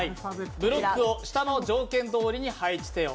ブロックを下の条件どおりに配置せよ。